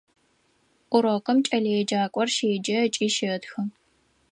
Урокым кӏэлэеджакӏор щеджэ ыкӏи щэтхэ.